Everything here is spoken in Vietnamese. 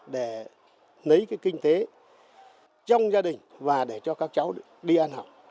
để lấy cái kinh tế trong gia đình và để cho các cháu đi ăn học